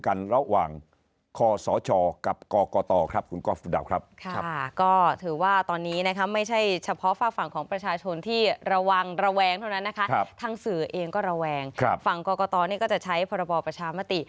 ฝั่งกรกตนี่ก็จะใช้พบประชามติ